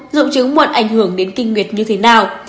bốn dụng trứng muộn ảnh hưởng đến kinh nguyệt như thế nào